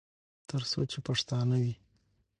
تر څو چې پښتانه وي.